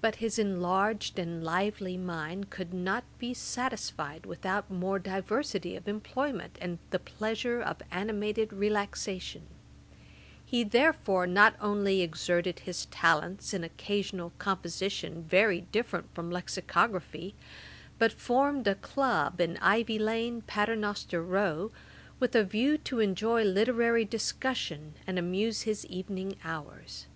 But his enlarged and lively mind could not be satisfied without more diversity of employment, and the pleasure of animated relaxation. He therefore not only exerted his talents in occasional composition very different from Lexicography, but formed a club in Ivy lane, Paternoster row, with a view to enjoy literary discussion, and amuse his evening hours.